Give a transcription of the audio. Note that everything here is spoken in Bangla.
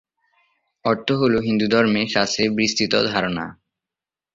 অর্থ হল হিন্দুধর্মের শাস্ত্রে বিস্তৃত ধারণা।